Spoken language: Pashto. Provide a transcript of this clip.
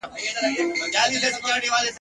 له ښوونکي له ملا مي اورېدله !.